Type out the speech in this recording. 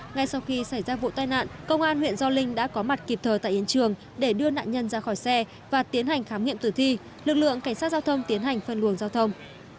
ngay sau khi xảy ra vụ tai nạn công an huyện gio linh đã có mặt kịp thời tại hiện trường để đưa nạn nhân ra khỏi xe và tiến hành khám nghiệm tử thi lực lượng cảnh sát giao thông tiến hành phân luồng giao thông